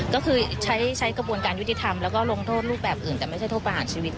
ก็คือใช้กระบวนการยุติธรรมแล้วก็ลงโทษรูปแบบอื่นแต่ไม่ใช่โทษประหารชีวิต